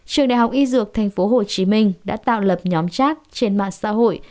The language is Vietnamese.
trường đại học y dược tp hcm đã tạo lập nhóm chat trên mạng xã hội